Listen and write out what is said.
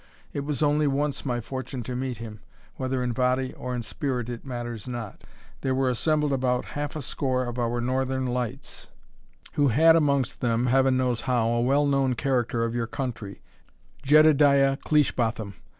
It was only once my fortune to meet him, whether in body or in spirit it matters not. There were assembled about half a score of our Northern Lights, who had amongst them, Heaven knows how, a well known character of your country, Jedediah Cleishbotham.